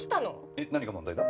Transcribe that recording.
えっ何が問題だ？